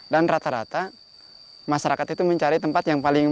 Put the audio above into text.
dan rata rata masyarakat itu mencari tempat yang paling baik